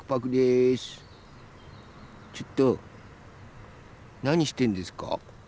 ちょっとなにしてんですか？